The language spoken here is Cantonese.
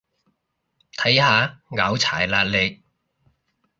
睇下，拗柴喇你